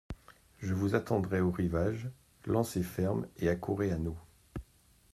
Je vous attendrai au rivage ; lancez ferme et accourez à nous.